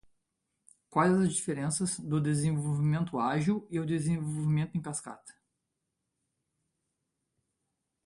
Quais as diferenças do desenvolvimento ágil e o desenvolvimento em cascata?